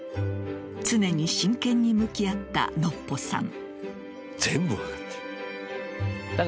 常に真剣に向き合ったノッポさん。